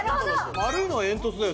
丸いのは煙突だよ。